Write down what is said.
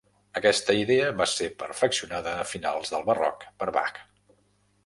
Aquesta idea va ser perfeccionada a finals del Barroc per Bach.